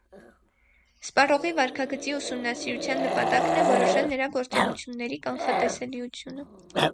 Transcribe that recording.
Սպառողի վարքագծի ուսումնասիրության նպատակն է որոշել նրա գործողությունների կանխատեսելիությունը։